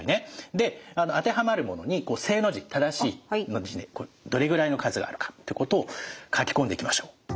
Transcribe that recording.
で当てはまるものに「正」の字「正しい」の字でどれぐらいの数があるかってことを書き込んでいきましょう。